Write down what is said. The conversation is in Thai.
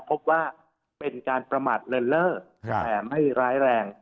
พบว่าเป็นการประมาทเลินเล่อแต่ไม่ร้ายแรง